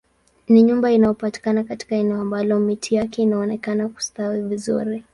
Ni nyumba inayopatikana katika eneo ambalo miti yake inaonekana kustawi vizuri